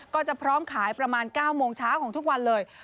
ก็จะพร้อมขายประมาณ๙โมงเช้าของทุกวันเลย